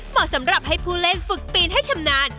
เหมาะสำหรับให้ผู้เล่นฝึกปีนให้ชำนาญ